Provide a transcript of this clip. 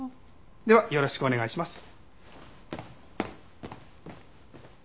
ではよろしくお願いします。